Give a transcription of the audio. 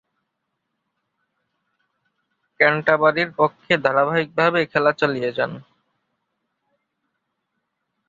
ক্যান্টারবারির পক্ষে ধারাবাহিকভাবে খেলা চালিয়ে যান।